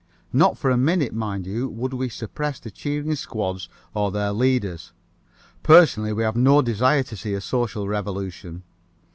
Not for a minute, mind you, would we suppress the cheering squads or their leaders. Personally, we have no desire to see a social revolution.